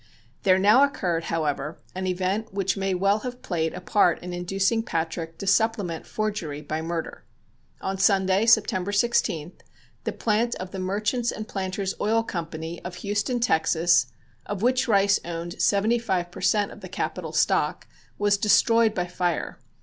There now occurred, however, an event which may well have played a part in inducing Patrick to supplement forgery by murder. On Sunday, September 16th, the plant of the Merchants' and Planters' Oil Company of Houston, Texas, of which Rice owned seventy five per cent. of the capital stock, was destroyed by fire.